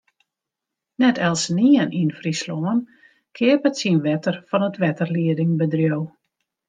Net eltsenien yn Fryslân keapet syn wetter fan it wetterliedingbedriuw.